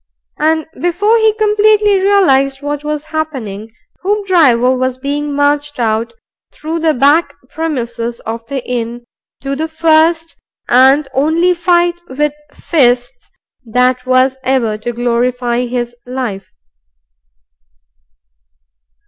And before he completely realized what was happening, Hoopdriver was being marched out through the back premises of the inn, to the first and only fight with fists that was ever to glorify his life.